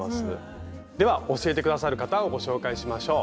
では教えて下さる方をご紹介しましょう。